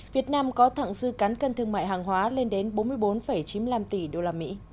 việt nam có thẳng dư cán cân thương mại hàng hóa lên đến bốn mươi bốn chín mươi năm tỷ usd